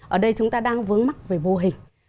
ở đây chúng ta đang vướng mắt về mô hình